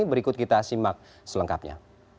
berikut kita simak selengkapnya